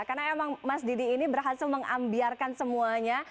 karena emang mas didi ini berhasil mengambiarkan semuanya